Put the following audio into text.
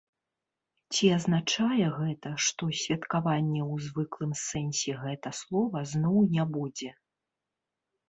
Ці азначае гэта, што святкавання ў звыклым сэнсе гэта слова зноў не будзе?